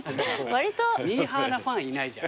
ミーハーなファンいないじゃん。